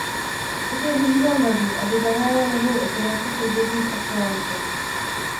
Také vyzývám Radu, aby zahájila novou operaci souběžně s Atalantou.